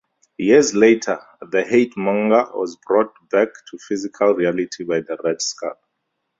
Years later, the Hate-Monger was brought back to physical reality by the Red Skull.